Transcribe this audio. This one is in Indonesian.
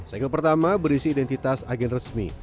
segel pertama berisi identitas agen resmi